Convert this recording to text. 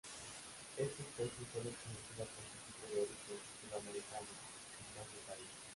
Esta especie solo es conocida por su tipo de origen sudamericano sin más detalles.